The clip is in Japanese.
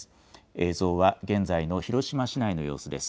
映像は現在の広島市内の様子です。